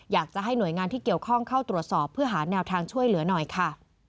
อยากจะให้หน่วยงานที่เกี่ยวข้องเข้าตรวจสอบเพื่อหาแนวทางช่วยเหลือหน่อยค่ะ